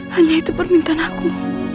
hanya itu permintaan aku